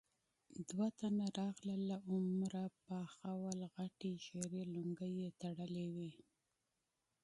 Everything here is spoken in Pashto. دوه تنه راغلل، له عمره پاخه ول، غټې ژېړې لونګۍ يې تړلې وې.